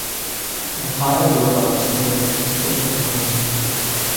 The fire broke out during opening hours.